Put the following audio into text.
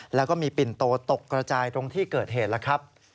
แล้วก็มีปิ่นโตตกกระจายตรงที่เกิดเหตุแล้วครับ